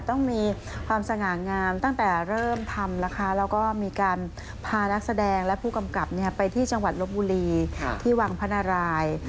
ต้องมีความสง่างามตั้งแต่เริ่มทำนะคะแล้วก็มีการพานักแสดงและผู้กำกับไปที่จังหวัดลบบุรีที่วังพระนาราย